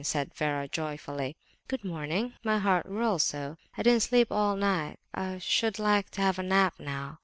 said Vera, joyfully. "Good morning! My head whirls so; I didn't sleep all night. I should like to have a nap now."